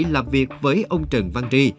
làm việc với ông trần văn tri